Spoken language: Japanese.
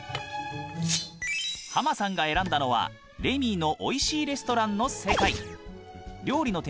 ハマさんが選んだのは「レミーのおいしいレストラン」の世界。